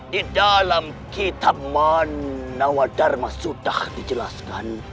di dalam kitab manawa dharma sudah dijelaskan